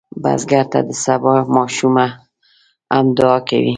بزګر ته د سبا ماشومه هم دعا کوي